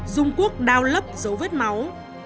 dung cuốc đao lấp giấu vết máu